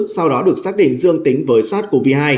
sau đó được xác định dương tính với sars cov hai